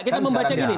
kita membaca gini